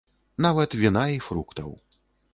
Нават віна і фруктаў.